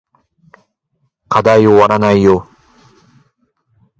課題おわらないよ